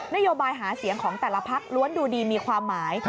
โยบายหาเสียงของแต่ละพักล้วนดูดีมีความหมาย